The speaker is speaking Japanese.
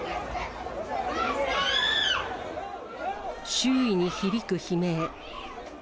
周囲に響く悲鳴。